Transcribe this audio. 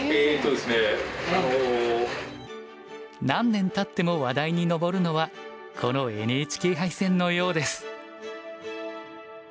何年たっても話題に上るのはこのＮＨＫ杯戦のようです。